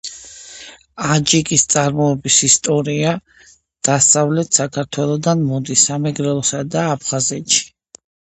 აჯიკის წარმოშობის ისტორია დასავლეთ საქართველოდან მოდის, სამეგრელოსა და აფხაზეთში.